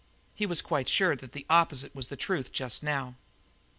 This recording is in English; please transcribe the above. He was quite sure that the opposite was the truth just now.